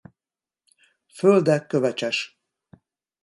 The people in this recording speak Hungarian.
Földe kövecses.